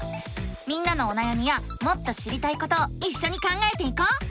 みんなのおなやみやもっと知りたいことをいっしょに考えていこう！